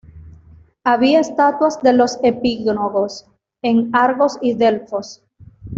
Había estatuas de los epígonos en Argos y Delfos.